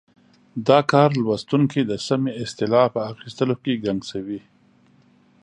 دا کار لوستونکی د سمې اصطلاح په اخیستلو کې ګنګسوي.